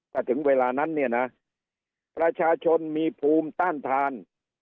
ถ้าถึงเวลานั้นเนี่ยนะประชาชนมีภูมิต้านทาน